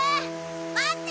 まって！